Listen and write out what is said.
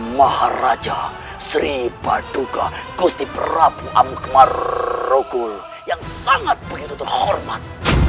maharaja sri paduka gusti prabu amukmar rukul yang sangat begitu terhormat